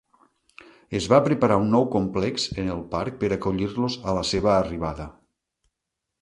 Es va preparar un nou complex en el parc per acollir-los a la seva arribada.